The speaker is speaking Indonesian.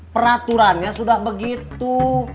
peraturannya sudah begitu